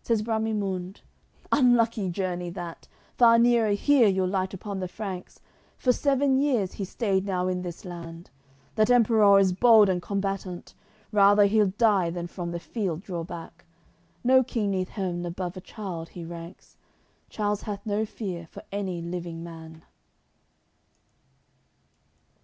Says Bramimunde: "Unlucky journey, that! Far nearer here you'll light upon the Franks; For seven years he's stayed now in this land. That Emperour is bold and combatant, Rather he'ld die than from the field draw back; No king neath heav'n above a child he ranks. Charles hath no fear for any living man.